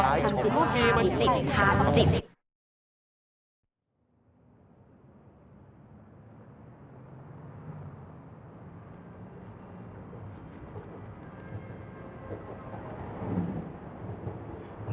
ท่านจิตท่านจิต